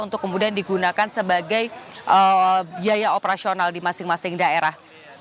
untuk kemudian digunakan sebagai biaya operasional di masing masing daerah